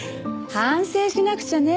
反省しなくちゃね。